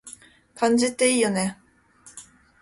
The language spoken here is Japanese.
漢字っていいよね